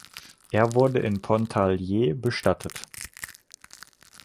Er wurde in Pontarlier bestattet.